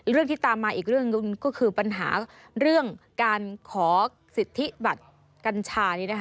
เรื่องที่ตามมาอีกเรื่องก็คือปัญหาเรื่องการขอสิทธิบัตรกัญชานี้